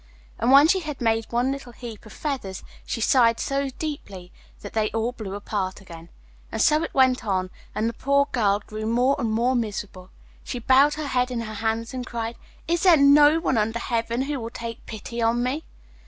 And when she had made one little heap of feathers, she sighed so deeply that they all blew apart again. And so it went on, and the poor girl grew more and more miserable. She bowed her head in her hands and cried, 'Is there no one under heaven who will take pity on me?